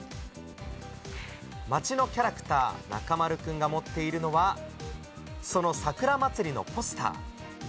町のキャラクター、なかまる君が持っているのは、その桜まつりのポスター。